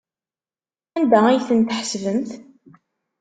Anda ay tent-tḥesbemt?